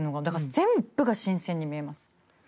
だから全部が新鮮に見えます。